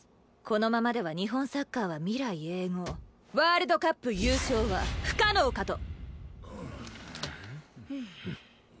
このままでは日本サッカーは未来永劫ワールドカップ優勝は不可能かと。